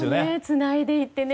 つないでいってね。